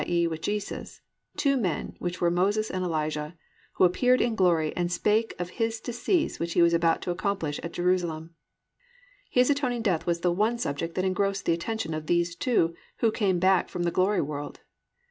e., with Jesus) +two men, which were Moses and Elijah: who appeared in glory, and spake of His decease which He was about to accomplish at Jerusalem."+ His atoning death was the one subject that engrossed the attention of these two who came back from the glory world.